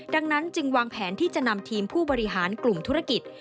ดังนั้นจึงวางแผนที่จะนำทีมผู้บริหารกลุ่มธุรกิจ